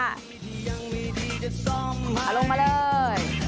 เอาลงมาเลย